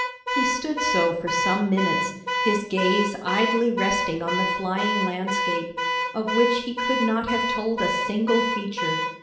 He stood so for some minutes, his gaze idly resting on the flying landscape, of which he could not have told a single feature.